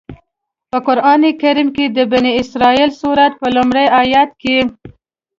په قرآن کریم کې د بنی اسرائیل سورت په لومړي آيت کې.